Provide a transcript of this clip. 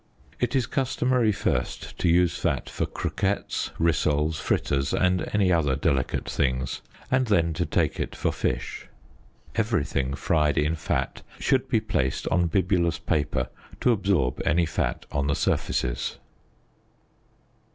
It is customary first to use fat for croquets, rissoles, fritters and other delicate things, and then to take it for fish. Everything fried in fat should be placed on bibulous paper to absorb any fat on the surfaces.